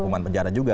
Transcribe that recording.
hukuman penjara juga